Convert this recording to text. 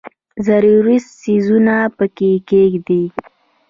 ضروري څیزونه پکې کښېږدي.